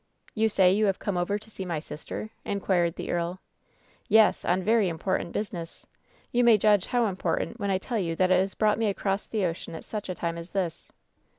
"You say you have come over to see my sister ?" in quired the earl. "Yes ! On very important business ! You may judge how important when I tell you that it has brought me across the ocean at such a time as this."